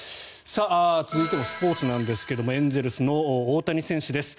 続いてもスポーツなんですがエンゼルスの大谷選手です。